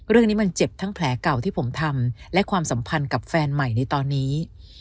เรื่องนี้มันเจ็บทั้งแผลเก่าที่ผมทำและความสัมพันธ์กับแฟนใหม่ในตอนนี้